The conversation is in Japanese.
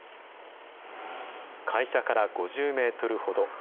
会社から５０メートルほど。